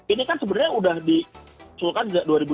ini kan sebenarnya sudah disusun